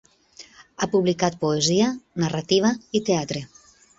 Ha publicat poesia, narrativa i teatre.